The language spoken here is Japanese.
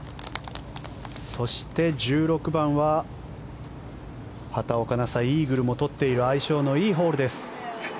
そして、１６番は畑岡奈紗、イーグルも取っている相性のいいホールです。